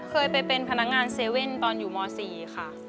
เคยไปเป็นพนักงาน๗๑๑ตอนอยู่ม๔ค่ะ